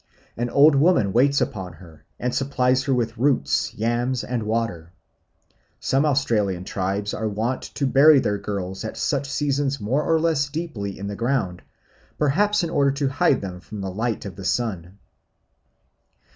An old woman waits upon her and supplies her with roots, yams, and water. Some Australian tribes are wont to bury their girls at such seasons more or less deeply in the ground, perhaps in order to hide them from the light of the sun.